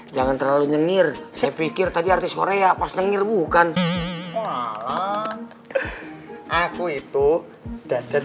jangan terlalu nyengir saya pikir tadi artis korea pas dengir bukan aku itu dan